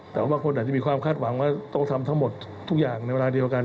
แต่ว่าบางคนอาจจะมีความคาดหวังว่าต้องทำทั้งหมดทุกอย่างในเวลาเดียวกัน